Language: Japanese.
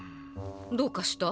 どうかした？